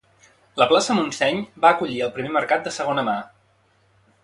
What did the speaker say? La plaça Montseny va acollir el primer mercat de segona mà